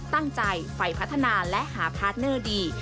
ตั้งใจไฟพัฒนาและหาพาร์ทเนอร์ดี